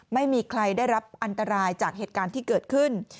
ไม่มีใครได้รับอันตรายจากเหตุการณ์ที่เกิดขึ้น